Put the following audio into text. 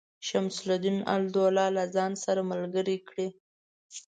شمس الدوله له ځان سره ملګري کړي.